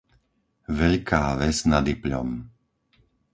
Veľká Ves nad Ipľom